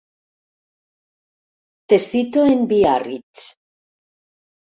Te cito en Biarritz.